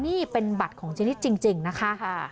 นี่เป็นบัตรของเจนิดจริงนะคะ